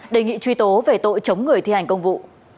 đề nghị truy tố về tội chống người thi hành công vụ